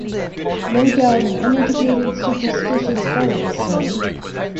No doubt an uneducated, superstitious fellow, sir.